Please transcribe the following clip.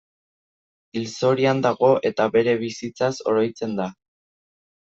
Hilzorian dago eta bere bizitzaz oroitzen da.